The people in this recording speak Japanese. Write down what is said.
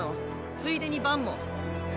ついでにバンも。